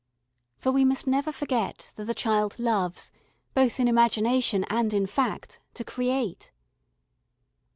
For we must never forget that the child loves, both in imagination and in fact, to create.